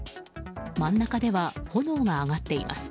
真ん中では炎が上がっています。